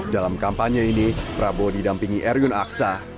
dalam kampanye ini prabowo didampingi erwin aksa